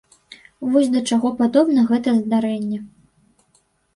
Вось да чаго падобна гэта здарэнне.